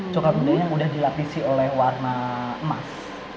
coklat muda yang sudah dilapisi oleh warna emas